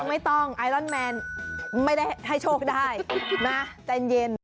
ไม่ต้องไอรอนแมนไม่ได้ให้โชคได้นะใจเย็น